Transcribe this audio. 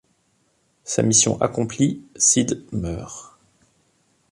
Sa mission accomplie, Sid meurt.